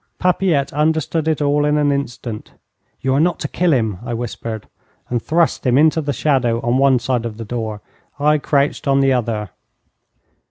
Papilette understood it all in an instant. 'You are not to kill him,' I whispered, and thrust him into the shadow on one side of the door; I crouched on the other.